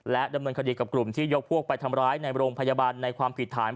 ดำเนินคดีกับกลุ่มที่ยกพวกไปทำร้ายในโรงพยาบาลในความผิดฐาน